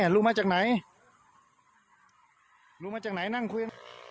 ลุงมาจากไหนลุงมาจากไหนนั่งคุย